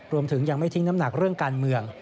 รวมถึงยังไม่ทิ้งน้ำหนักเรื่องการเมือง